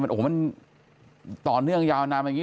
โอ้โหมันต่อเนื่องยาวนานอย่างนี้